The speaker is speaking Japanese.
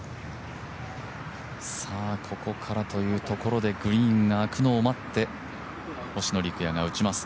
ここからというところでグリーンが空くのを待って、星野陸也が打ちます。